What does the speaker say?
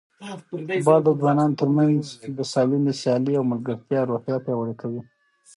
فوټبال د ځوانانو ترمنځ د سالمې سیالۍ او ملګرتیا روحیه پیاوړې کوي.